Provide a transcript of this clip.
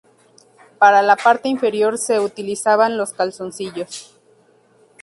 Para la parte inferior se utilizaban los calzoncillos.